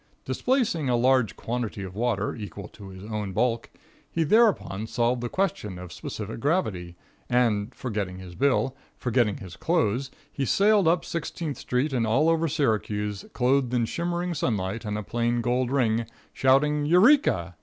Displacing a large quantity of water, equal to his own bulk, he thereupon solved the question of specific gravity, and, forgetting his bill, forgetting his clothes, he sailed up Sixteenth street and all over Syracuse, clothed in shimmering sunlight and a plain gold ring, shouting "Eureka!"